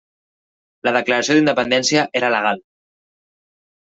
La declaració d'independència era legal.